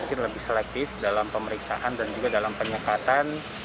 mungkin lebih selektif dalam pemeriksaan dan juga dalam penyekatan